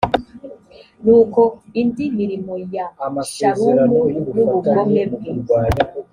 nuko indi mirimo ya shalumu n ubugome bwe